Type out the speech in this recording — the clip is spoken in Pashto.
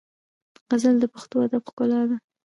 غزل د پښتو ادب ښکلا ده.